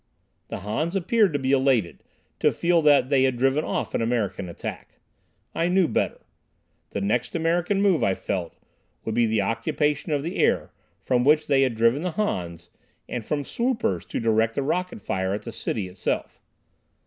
The Hans appeared to be elated, to feel that they had driven off an American attack. I knew better. The next American move, I felt, would be the occupation of the air, from which they had driven the Hans, and from swoopers to direct the rocket fire at the city itself.